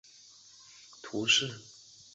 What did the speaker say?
科隆贝莱塞克人口变化图示